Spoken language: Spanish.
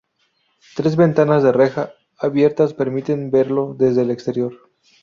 Tres ventanas de reja, abiertas, permiten verlo desde el exterior.